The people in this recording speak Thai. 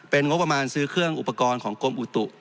เป็นงบประมาณซื้อเครื่องอุปกรณ์ของกรมอุตุ